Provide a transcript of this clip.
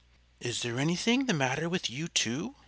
"Is there anything the matter with you, too?"